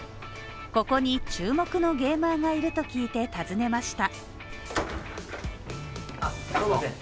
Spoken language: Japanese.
ここに注目のゲーマーがいると聞いて、訪ねました。